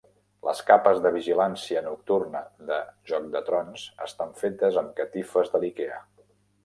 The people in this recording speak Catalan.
Les capes de vigilància nocturna de Joc de Trons estan fetes amb catifes de l'Ikea.